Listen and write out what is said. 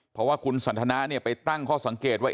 เพราะว่าคุณสันทนาไปตั้งข้อสังเกตว่า